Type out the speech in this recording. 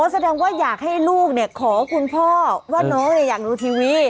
แสดงว่าอยากให้ลูกขอคุณพ่อว่าน้องอยากดูทีวี